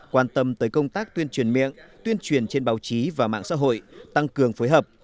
quan tâm tới công tác tuyên truyền miệng tuyên truyền trên báo chí và mạng xã hội tăng cường phối hợp